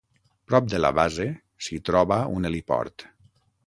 Prop de la base s'hi troba un heliport.